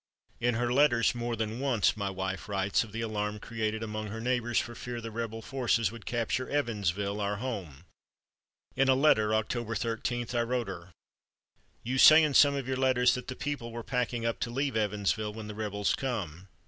In her letters more than once my wife writes of the alarm created among her neighbors for fear the rebel forces would capture Evansville, our home. In a letter, October 13, I wrote her: "You say in some of your letters that the people were packing up to leave Evansville when the rebels come.